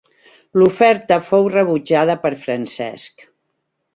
L'oferta fou rebutjada per Francesc.